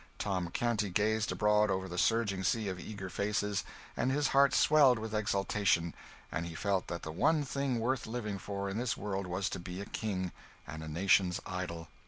Tom Canty gazed abroad over the surging sea of eager faces, and his heart swelled with exultation; and he felt that the one thing worth living for in this world was to be a king, and a nation's idol.